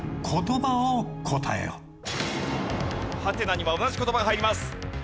ハテナには同じ言葉が入ります。